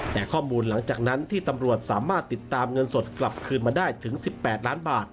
แต่ข้อมูลหลังจากนั้นที่ตำรวจสามารถติดตามเงินสดกลับคืนมาได้ถึง๑๘ล้านบาท